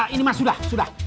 ini mah sudah sudah